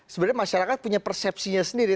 sebenarnya masyarakat punya persepsinya sendiri